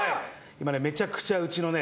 めちゃくちゃうちのね